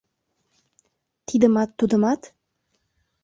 — Тидымат-тудымат?!